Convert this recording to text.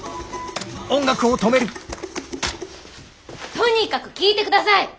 とにかく聞いて下さい！